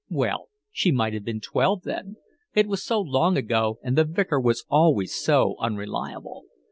Well, she might have been twelve then: it was so long ago and the Vicar was always so unreliable.